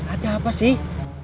ada apa sih